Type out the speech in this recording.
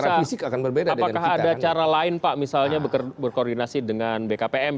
apakah ada cara lain pak misalnya berkoordinasi dengan bkpm